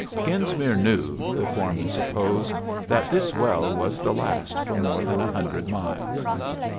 Genesmere knew, the foreman supposed, that this well was the last for more than a hundred miles?